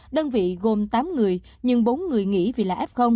đơn vị gồm tám người nhưng bốn người nghỉ vì là f